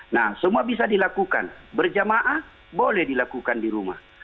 nah semua bisa dilakukan berjamaah boleh dilakukan di rumah